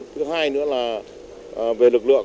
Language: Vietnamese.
thứ hai nữa là về lực lượng